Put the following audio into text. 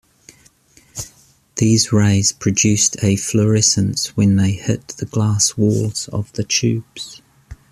These rays produced a fluorescence when they hit the glass walls of the tubes.